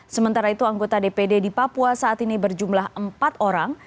sementara itu anggota dpd di papua saat ini berjumlah empat orang